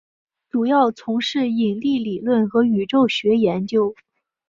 主要从事引力理论和宇宙学研究。